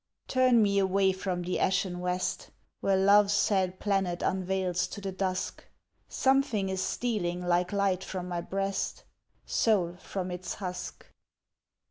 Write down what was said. Turn me away from the ashen west, Where love's sad planet unveils to the dusk. Something is stealing like light from my breast Soul from its husk